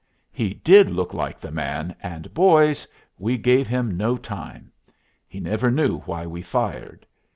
He did look like the man, and boys! we gave him no time! He never knew why we fired.